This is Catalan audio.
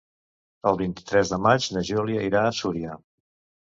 El vint-i-tres de maig na Júlia irà a Súria.